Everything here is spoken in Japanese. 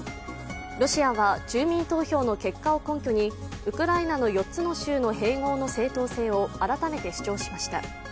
ロシアは住民投票の結果を根拠にウクライナの４つの州の併合の正当性を改めて主張しました。